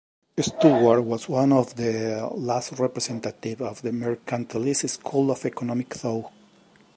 Steuart was one of the last representatives of the mercantilist school of economic thought.